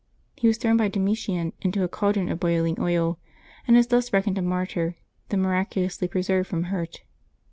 He was thrown by Domitian into a cal dron of boiling oil, and is thus reckoned a mart}T, though miraculously preserved from hurt.